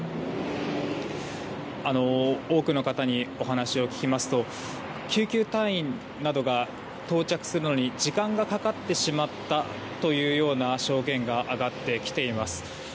多くの方にお話を聞きますと救急隊員などが到着するのに時間がかかってしまったというような証言が上がってきています。